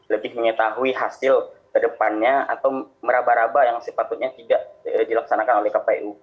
lebih mengetahui hasil ke depannya atau meraba raba yang sepatutnya tidak dilaksanakan oleh kpu